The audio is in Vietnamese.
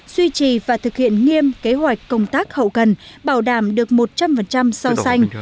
duy trì và thực hiện nghiêm kế hoạch công tác hậu cần bảo đảm được một trăm linh so xanh